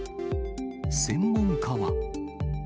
専門家は。